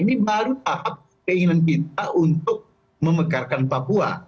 ini baru tahap keinginan kita untuk memegarkan papua